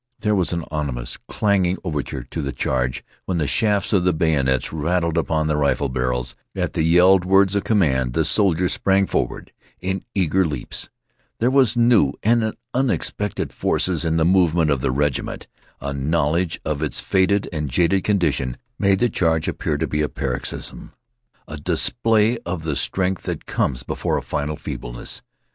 There was an ominous, clanging overture to the charge when the shafts of the bayonets rattled upon the rifle barrels. At the yelled words of command the soldiers sprang forward in eager leaps. There was new and unexpected force in the movement of the regiment. A knowledge of its faded and jaded condition made the charge appear like a paroxysm, a display of the strength that comes before a final feebleness.